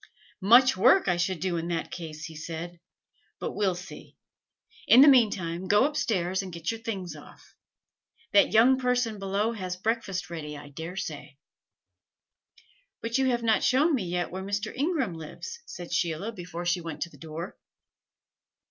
"Much work I should do in that case!" he said. "But we'll see. In the mean time go up stairs and get your things off: that young person below has breakfast ready, I dare say." "But you have not shown me yet where Mr. Ingram lives," said Sheila before she went to the door.